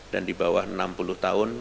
dan di bawah enam puluh tahun